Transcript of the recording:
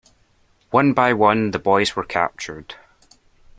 One by one the boys were captured.